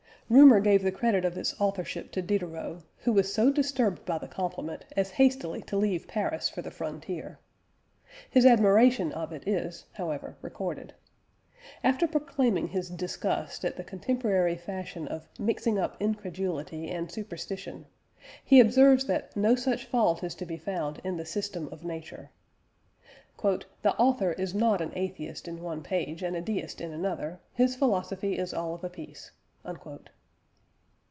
Rumour gave the credit of its authorship to Diderot, who was so disturbed by the compliment as hastily to leave Paris for the frontier. His admiration of it is, however, recorded. After proclaiming his disgust at the contemporary fashion of "mixing up incredulity and superstition," he observes that no such fault is to be found in the System of Nature. "The author is not an atheist in one page, and a deist in another. His philosophy is all of a piece."